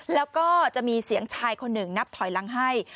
แล้วก็จะมีเสียงชายคนหนึ่งนับถอยหลังให้